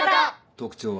特徴は？